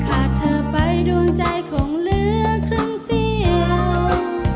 หากเธอไปดวงใจคงเหลือครึ่งเสียว